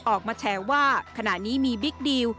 ออกมาแชร์ว่าขณะนี้มีบิ๊กดีล